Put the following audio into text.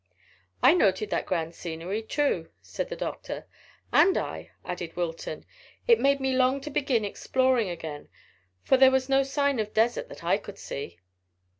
"I noted the grand scenery too," said the doctor. "And I," added Wilton. "It's made me long to begin exploring again, for there was no sign of desert that I could see."